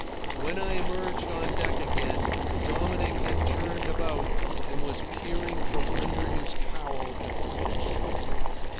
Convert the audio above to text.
When I emerged on deck again Dominic had turned about and was peering from under his cowl at the coast.